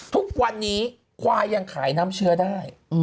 ทุกวันนี้ควายยังขายน้ำเชื้อได้